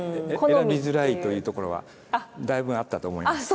選びづらいというところはだいぶあったと思います。